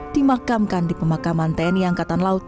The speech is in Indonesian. dimakamkan di pemakaman tni angkatan laut